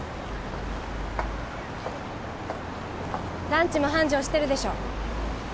ランチも繁盛してるでしょ？